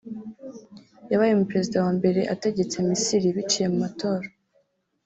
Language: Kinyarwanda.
yabaye umuperezida wa mbere ategetse Misiri biciye mu matora